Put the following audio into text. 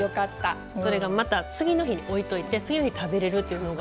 それが、また次の日置いておいて次の日に食べれるっていうのが。